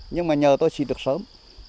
nhưng mà nhờ tôi xịt được sớm